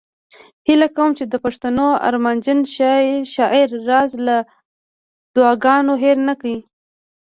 هیله کوم چې د پښتنو ارمانجن شاعر راز له دعاګانو هیر نه کړي